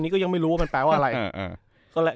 นี่ก็ยังไม่รู้ว่ามันแปลว่าอะไร